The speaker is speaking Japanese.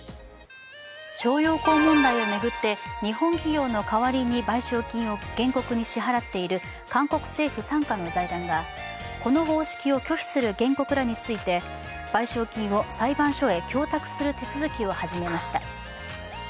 徴用工問題を巡って、日本企業の代わりに賠償金を原告に支払っている韓国政府傘下の財団がこの方式を拒否する原告らについて賠償金を裁判所へ供託する手続きを始めました。